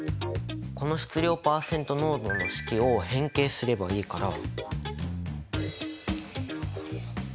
この質量パーセント濃度の式を変形すればいいから。